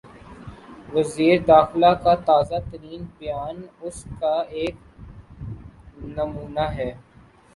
وزیر داخلہ کا تازہ ترین بیان اس کا ایک نمونہ ہے۔